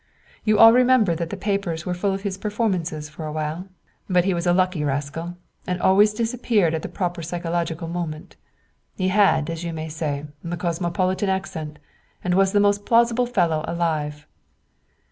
You all remember that the papers were full of his performances for a while, but he was a lucky rascal, and always disappeared at the proper psychological moment. He had, as you may say, the cosmopolitan accent, and was the most plausible fellow alive."